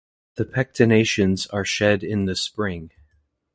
The pectinations are shed in the spring.